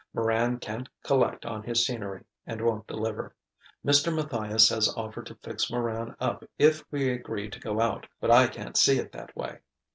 Moran can't collect on his scenery, and won't deliver. Mr. Matthias has offered to fix Moran up if we agree to go out, but I can't see it that way.